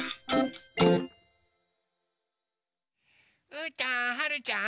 うーたんはるちゃん